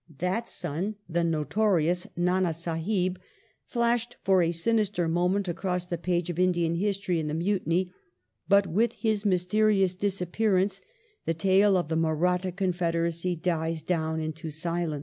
That son — the notorious Ndnd Sahib — flashed for a sinister moment across the page of Indian history in the Mutiny, but with his mysterious disappearance the tale of the Maratha confederacy dies down into silence.